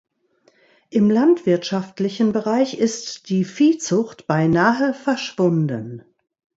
Im landwirtschaftlichen Bereich ist die Viehzucht beinahe verschwunden.